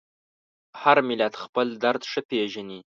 هر ملت خپل درد ښه پېژني.